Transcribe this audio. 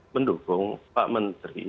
mendukung pak menteri